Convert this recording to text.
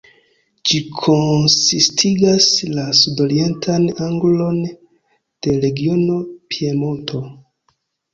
Ĝi konsistigas la sud-orientan angulon de regiono Piemonto.